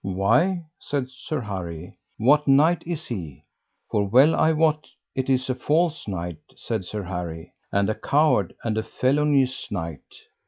Why said Sir Harry, what knight is he? for well I wot it is a false knight, said Sir Harry, and a coward and a felonious knight.